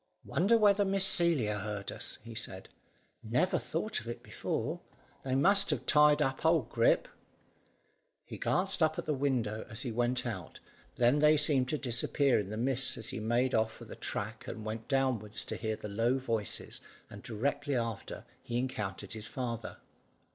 "Wonder whether Miss Celia heard us," he said; "never thought of it before; they must have tied up old Grip." He glanced up at the windows as he went out, then they seemed to disappear in the mist as he made for the track and went downwards, to hear low voices, and directly after he encountered his father.